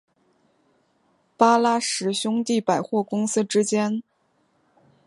巴拉什兄弟百货公司之间。